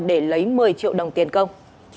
để lấy một mươi triệu đồng tiền công